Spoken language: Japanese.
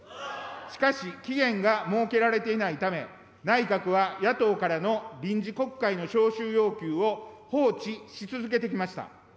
しかし、期限が設けられていないため、内閣は野党からの臨時国会の召集要求を放置し続けてきました。